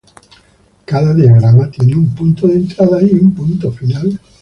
Cada diagrama tiene un punto de entrada y un punto final.